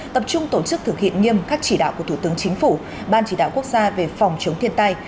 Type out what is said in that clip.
tập trung tổ chức thực hiện nghiêm các chỉ đạo của thủ tướng chính phủ ban chỉ đạo quốc gia về phòng chống thiên tai